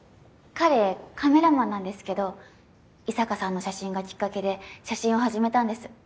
彼カメラマンなんですけど伊坂さんの写真がきっかけで写真を始めたんです